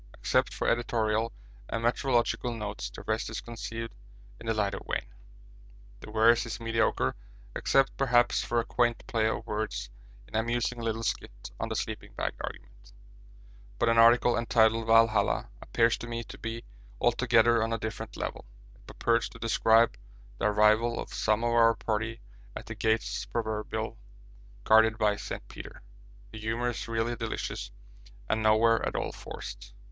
Except for editorial and meteorological notes the rest is conceived in the lighter vein. The verse is mediocre except perhaps for a quaint play of words in an amusing little skit on the sleeping bag argument; but an article entitled 'Valhalla' appears to me to be altogether on a different level. It purports to describe the arrival of some of our party at the gates proverbially guarded by St. Peter; the humour is really delicious and nowhere at all forced.